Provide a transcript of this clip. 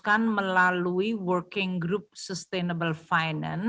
akan memiliki keuntungan untuk menjaga keuntungan keuntungan keuntungan keuntungan